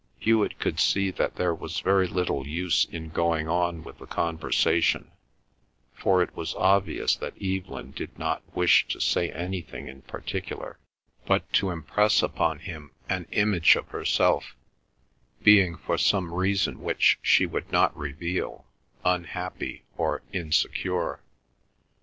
Hewet could see that there was very little use in going on with the conversation, for it was obvious that Evelyn did not wish to say anything in particular, but to impress upon him an image of herself, being, for some reason which she would not reveal, unhappy, or insecure.